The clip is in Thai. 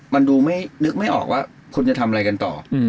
มันดูไม่นึกไม่ออกว่าคุณจะทำอะไรกันต่อ